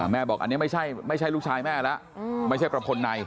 บอกอันนี้ไม่ใช่ลูกชายแม่แล้วไม่ใช่ประพลใน